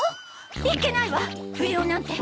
いけないわ不良なんて。